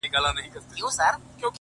• درد وچاته نه ورکوي،